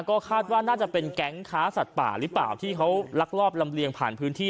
ก็คาดว่าน่าจะเป็นแก๊งค้าสัตว์ป่าหรือเปล่าที่เขาลักลอบลำเลียงผ่านพื้นที่